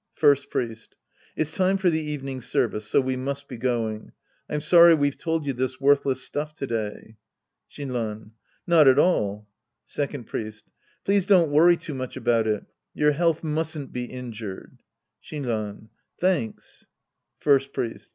First Priest. It's time for the evening service, so we must be going. I'm sorry we've told you tlois worthless stuff to day. Shinran. Not at all. Second Priest. Please don't worry too mucli about it. Your health mustn't be injured. Shinran. Thanks. First Priest.